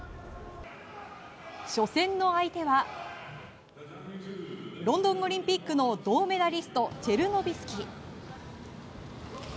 初戦の相手はロンドンオリンピックの銅メダリスト、チェルノビスキ。